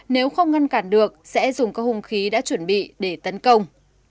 nếu không ngăn cản được sẽ dùng các hung khí đã chuẩn bị để tấn công